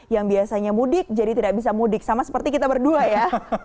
yang biasanya mudik jadi tidak bisa mudik sama seperti kita berdua ya